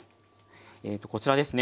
えとこちらですね。